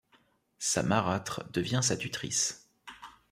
Sa marâtre devient sa tutrice.